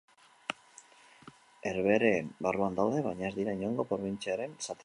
Herbehereen barruan daude, baina ez dira inongo probintziaren zati.